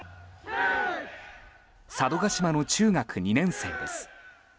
佐渡島の中学２年生です。